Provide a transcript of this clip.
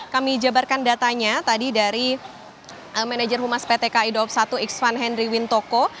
kami jabarkan datanya tadi dari manajer humas ptk idov satu iksvan henry wintoko